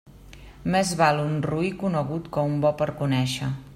Més val un roí conegut que un bo per conèixer.